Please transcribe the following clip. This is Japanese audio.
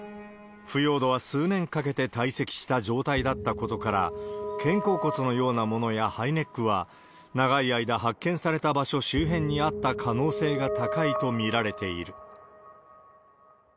腐葉土は数年かけて堆積した状態だったことから、肩甲骨のようなものやハイネックは、長い間、発見された場所周辺にあった可能性が高いと見られている。